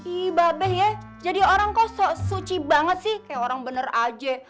ihh mba be ya jadi orang kok suci banget sih kayak orang bener aja